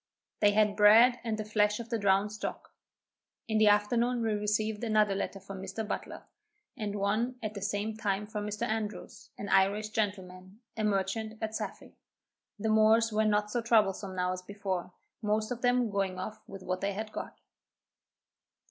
They had bread and the flesh of the drowned stock. In the afternoon we received another letter from Mr. Butler, and one at the same time from Mr. Andrews, an Irish gentleman, a merchant at Saffy. The Moors were not so troublesome now as before, most of them going off with what they had got.